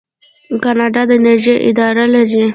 کاناډا د انرژۍ اداره لري.